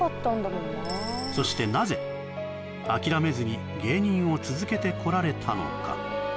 そしてなぜ諦めずに芸人を続けてこられたのか？